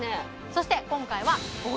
そして今回はお！